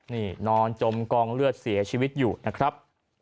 นี่นอนจมกองเลือดเสียชีวิตอยู่นะครับ